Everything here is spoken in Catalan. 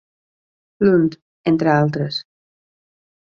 Lund, entre altres.